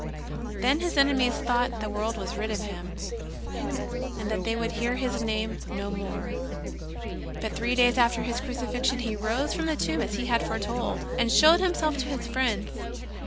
Then His enemies thought the world was rid of Hixn, and that they would hear His Name no more. But three days after His Crucifixion He rose from the tomb as He had foretold, and showed Himself to His friends.